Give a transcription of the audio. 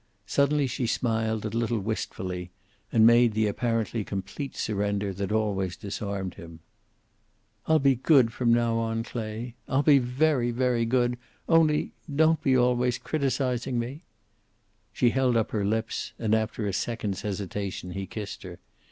Suddenly she smiled a little wistfully, and made the apparently complete surrender that always disarmed him. "I'll be good from now on, Clay. I'll be very, very good. Only don't be always criticizing me." She held up her lips, and after a second's hesitation he kissed her.